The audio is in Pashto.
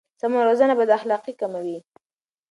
سمه روزنه بد اخلاقي کموي.